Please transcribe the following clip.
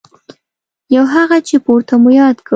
یو هغه چې پورته مو یاد کړ.